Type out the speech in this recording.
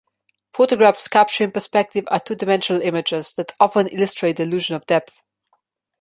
Photographs capturing perspective are two-dimensional images that often illustrate the illusion of depth.